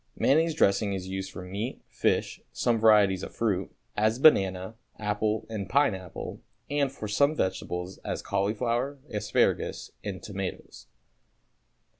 Mayonnaise dressing is used for meat, fish, some varieties of fruit, as banana, apple and pineapple, and for some vegetables, as cauliflower, asparagus and tomatoes.